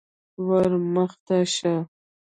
_ور مخته شه.